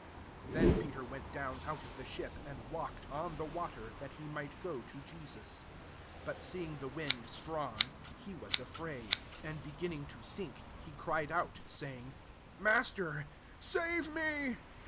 Then Peter went down out of the ship, and walked on the water, that he might go to Jesus. 30 But seeing the wind strong, he was afraid ; and be ginning to sink, he cried CHit, saying, " Master, save me.